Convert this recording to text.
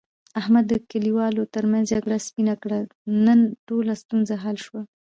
احمد د کلیوالو ترمنځ خبره سپینه کړه. نن ټوله ستونزه حل شوه.